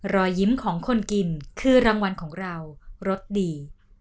รอยยิ้มของคนกินคือรางวัลของเรารสดี